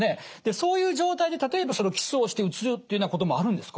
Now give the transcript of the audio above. そういう状態で例えばキスをしてうつるっていうようなこともあるんですか？